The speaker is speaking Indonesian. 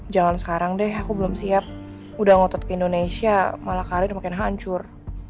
jangan sekarang deh aku belum siap udah ngotot ke indonesia malah karir makin hancur